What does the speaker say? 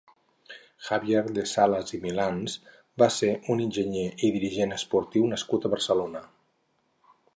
Javier de Salas i de Milans va ser un enginyer i dirigent esportiu nascut a Barcelona.